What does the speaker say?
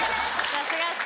さすがっす。